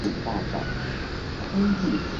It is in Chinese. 齐伐鲁取都。